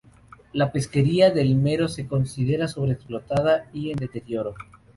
La pesquería del mero se considera sobre explotada y en deterioro.